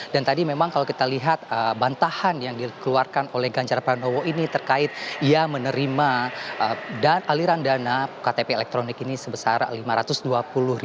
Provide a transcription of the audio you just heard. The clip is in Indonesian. dan tadi memang kalau kita lihat bantahan yang dikeluarkan oleh gajar pranowo ini terkait ia menerima aliran dana ktp elektronik ini sebesar rp lima ratus dua puluh